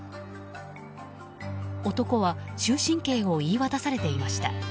男は終身刑を言い渡されていました。